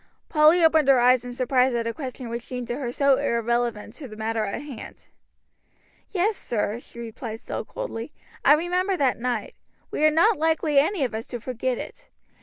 Polly opened her eyes in surprise at a question which seemed to her so irrelevant to the matter in hand; "Yes, sir," she replied, still coldly. "I remember that night. We are not likely any of us to forget it.